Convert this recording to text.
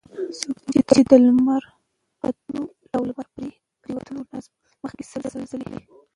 څوک چې د لمر ختلو او لمر پرېوتلو نه مخکي سل سل ځله